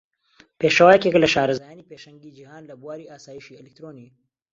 پێشەوا یەکێکە لە شارەزایانی پێشەنگی جیهان لە بواری ئاسایشی ئەلیکترۆنی.